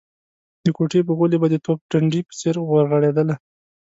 د کوټې په غولي به د توپ ډنډې په څېر ورغړېدله.